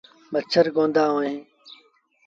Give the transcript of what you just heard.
مڇر ڪوند هوئيݩ۔